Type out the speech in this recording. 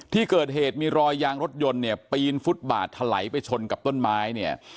ที่เกิดเหตุมีรอยยางรถยนต์เนี่ยปีนฟุตบาทถลายไปชนกับต้นไม้เนี่ย